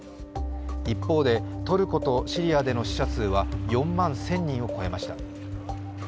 一方でトルコとシリアでの死者数は４万１０００人を超えました。